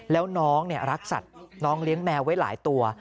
แล้วน้องรักสัตว์น้องเลี้ยงแมวไว้หลายตัว